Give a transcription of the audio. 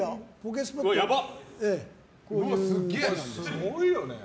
すごいよね。